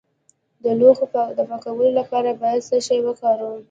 د لوښو د پاکوالي لپاره باید څه شی وکاروم؟